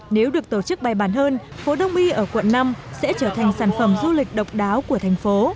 nếu được tổ chức bài bản hơn phố đông y ở quận năm sẽ trở thành sản phẩm du lịch độc đáo của thành phố